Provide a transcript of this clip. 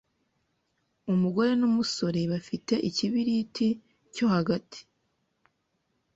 umugore numusore bafite Ikibiriti cyo hagati